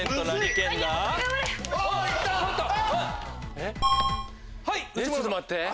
ピンポンえっちょっと待って。